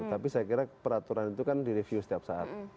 tapi saya kira peraturan itu kan direview setiap saat